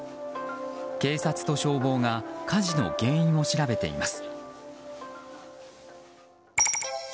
警察と消防が火事の原因を調べています。